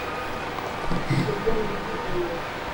روگو مٺي پئي اي.